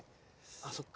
あそっか。